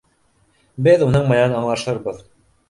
Беҙ уның менән аңлашырбыҙ.